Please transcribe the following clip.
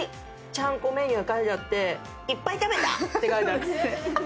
ちゃんこメニュー書いてあって「いっぱい食べた！」って書いてありますね。